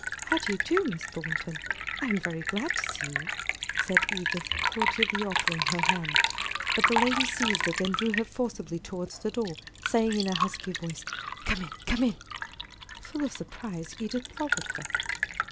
"How do you do, Miss Thornton? I am very glad to see you," said Edith, cordially offering her hand. But the lady seized it, and drew her forcibly towards the door, saying in a husky voice: "Come in come in!" Full of surprise, Edith followed her.